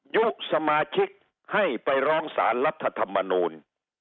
ยุคสมาชิกให้ไปร้องสารรัฐธรรมนูล